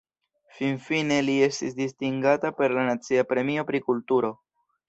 Finfine li estis distingata per la nacia premio pri kulturo.